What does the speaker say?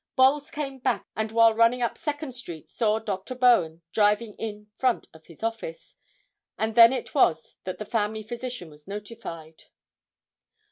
Bolles came back and while running up Second street saw Dr. Bowen driving in front of his office, and then it was that the family physician was notified.